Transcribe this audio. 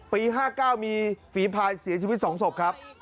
๕๙มีฝีพายเสียชีวิต๒ศพครับ